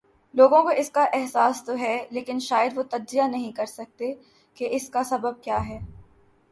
لوگوں کواس کا احساس تو ہے لیکن شاید وہ تجزیہ نہیں کر سکتے کہ اس کا سبب کیا ہے۔